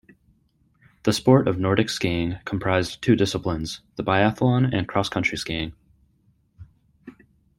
The sport of Nordic skiing comprised two disciplines, the biathlon and cross-country skiing.